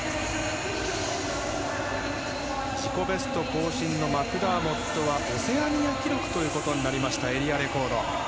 自己ベスト更新のマクダーモットはオセアニア記録となりましたエリアレコード。